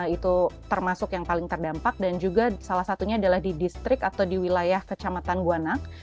itu termasuk yang paling terdampak dan juga salah satunya adalah di distrik atau di wilayah kecamatan guanang